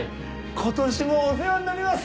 今年もお世話になります。